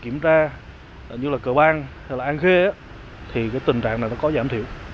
kiểm tra như là cờ bang hay là an khê thì cái tình trạng này nó có giảm thiểu